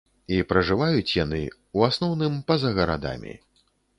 І пражываюць яны, у асноўным, па-за гарадамі.